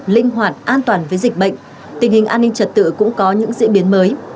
linh hoạt an toàn với dịch bệnh tình hình an ninh trật tự cũng có những diễn biến mới